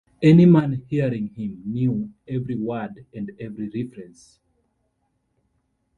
Any man hearing him knew every word and every reference.